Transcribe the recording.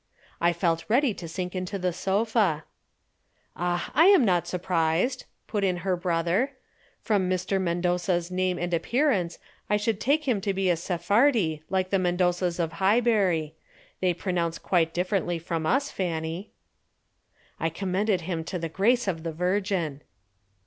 I felt ready to sink into the sofa. "Ah, I am not surprised," put in her brother. "From Mr. Mendoza's name and appearance I should take him to be a Sephardi like the Mendozas of Highbury. They pronounce quite differently from us, Fanny." I commended him to the grace of the Virgin.